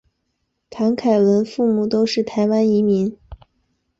谭凯文父母都是台湾移民。